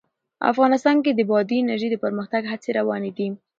افغانستان کې د بادي انرژي د پرمختګ هڅې روانې دي.